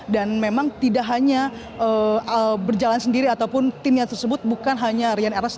dan memang tidak hanya berjalan sendiri ataupun timnya tersebut bukan hanya rian ernest